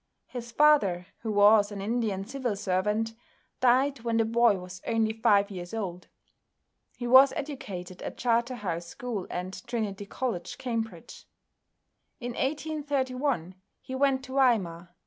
His father, who was an Indian civil servant, died when the boy was only five years old. He was educated at Charterhouse School and Trinity College, Cambridge. In 1831 he went to Weimar.